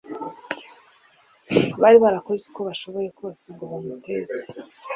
Bari barakoze uko bashoboye kose ngo bamuteze